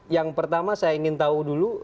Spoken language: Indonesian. yang pertama saya ingin tahu dulu